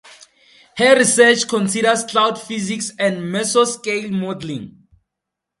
Her research considers cloud physics and mesoscale modelling.